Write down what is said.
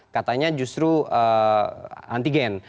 katanya justru antigen